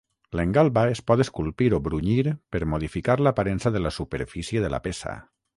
L'engalba es pot esculpir o brunyir per modificar l'aparença de la superfície de la peça.